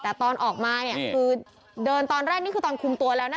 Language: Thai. แต่ตอนออกมาเนี่ยคือเดินตอนแรกนี่คือตอนคุมตัวแล้วนะ